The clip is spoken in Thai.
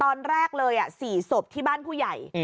ตอนแรกเลย๔ศพที่บ้านผู้ใหญ่